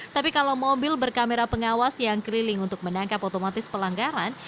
tapi kalau mobil berkamera pengawas yang keliling untuk menangkap otomatis pelanggaran